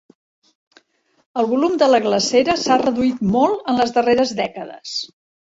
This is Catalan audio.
El volum de la glacera s'ha reduït molt en les darreres dècades.